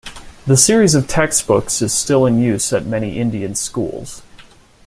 The series of textbooks is still in use at many Indian schools.